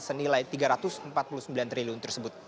senilai rp tiga ratus empat puluh sembilan triliun tersebut